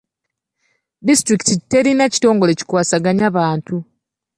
Disitulikiti terina kitongole kikwasaganya bantu.